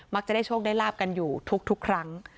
จะได้โชคได้ลาบกันอยู่ทุกครั้ง